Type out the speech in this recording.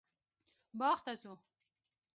باغ ته ځو